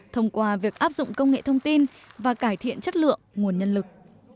thông qua việc áp dụng công nghệ thông tin và cải thiện chất lượng nguồn nhân lực